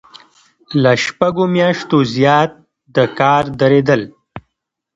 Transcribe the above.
له شپږو میاشتو زیات د کار دریدل.